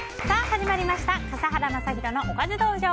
始まりました笠原将弘のおかず道場。